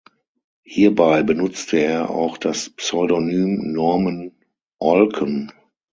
Hierbei benutzte er auch das Pseudonym "Norman Alken".